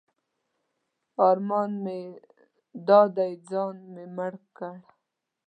ارمان مې دا دی ځان مې مړ کړ.